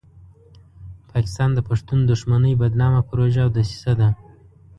پاکستان د پښتون دښمنۍ بدنامه پروژه او دسیسه ده.